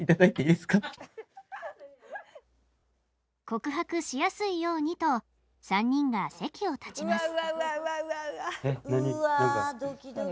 告白しやすいようにと３人が席を立ちます。